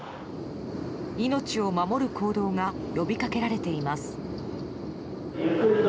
命を守る行動が呼びかけられています。